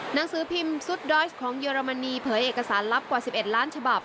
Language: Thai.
หนังสือพิมพ์สุดดอยสของเยอรมนีเผยเอกสารลับกว่า๑๑ล้านฉบับ